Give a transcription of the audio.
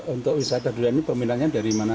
untuk wisata durian ini peminatnya dari mana